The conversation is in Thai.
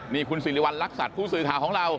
นี่คุณสิริวัณรักษัตริย์ผู้สื่อข่าวของเรา